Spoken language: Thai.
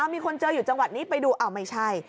มีคนเจออยู่จังหวัดนี้ไปดูอ้าวไม่ใช่